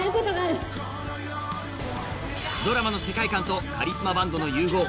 ドラマの世界観とカリスマバンドの融合。